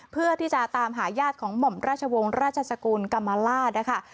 เพื่อที่จะตามหายาสของหม่อมราชวงศ์ราชสกรุลกำมาราช